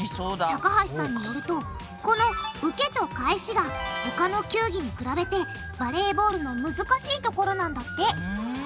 高橋さんによるとこの受けと返しが他の球技に比べてバレーボールのむずかしいところなんだってふん。